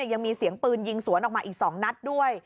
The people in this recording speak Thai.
ยังมีเสียงปืนยิงสวนออกมาอีก๒นัดด้วย